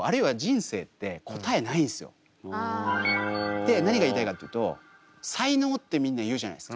で何が言いたいかっていうと才能ってみんな言うじゃないですか。